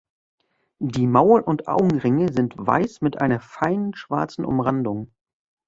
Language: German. Die Maul- und Augenringe sind weiß mit einer feinen schwarzen Umrandung.